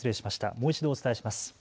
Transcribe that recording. もう一度お伝えします。